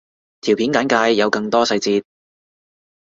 條片簡介有更多細節